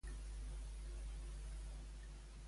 I Junqueras què ha confirmat?